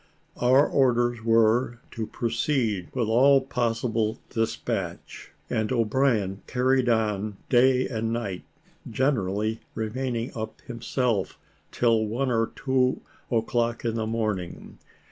Our orders were to proceed with all possible despatch; and O'Brien carried on day and night, generally remaining up himself till one or two o'clock in the morning.